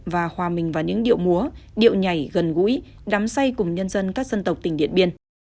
và hòa mình vào những điệu múa điệu nhảy gần gũi đắm say cùng nhân dân các dân tộc tỉnh điện biên